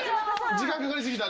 時間かかりすぎた。